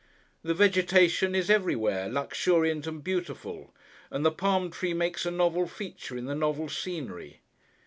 The vegetation is, everywhere, luxuriant and beautiful, and the Palm tree makes a novel feature in the novel scenery.